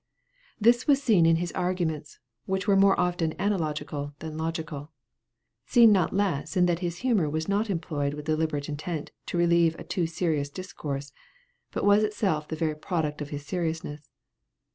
This was seen in his arguments, which were more often analogical than logical; seen not less in that his humor was not employed with deliberate intent to relieve a too serious discourse, but was itself the very product of his seriousness.